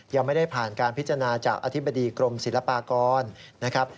ยังไม่ได้ผ่านการพิจารณาจากอธิบดีกรมศิลปากรนะครับ